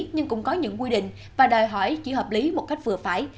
nhưng cũng có những quy định và đòi hỏi chỉ hợp lý một cách vừa phải